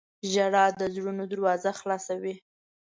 • ژړا د زړونو دروازه خلاصوي.